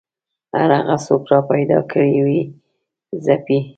هر هغه څوک راپیدا کړي ویې ځپي